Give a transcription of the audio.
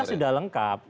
kita sudah lengkap